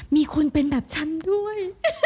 มีคนเป็นแบบฉันด้วย